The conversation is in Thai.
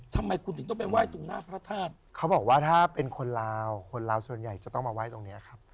ทำไมคุณถึงต้องไปไหว้ตรงหน้าพระธาตุเขาบอกว่าถ้าเป็นคนลาวคนลาวส่วนใหญ่จะต้องมาไหว้ตรงนี้ครับ